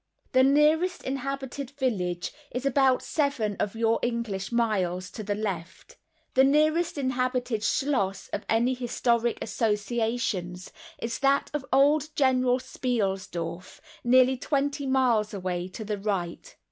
The nearest inhabited village is about seven of your English miles to the left. The nearest inhabited schloss of any historic associations, is that of old General Spielsdorf, nearly twenty miles away to the right.